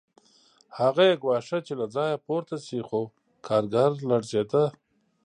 هغه یې ګواښه چې له ځایه پورته شي خو کارګر لړزېده